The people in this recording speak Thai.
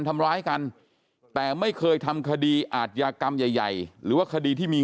ทำร้ายกันแต่ไม่เคยทำคดีอาทยากรรมใหญ่ใหญ่หรือว่าคดีที่มี